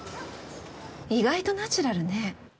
意外とナチュラルね。